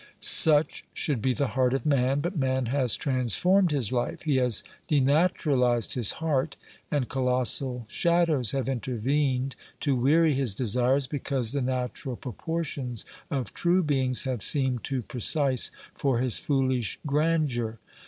Such should be the heart of man, but man has trans formed his life ; he has denaturalised his heart, and colossal shadows have intervened to weary his desires because the natural proportions of true beings have seemed too precise for his foolish grandeur.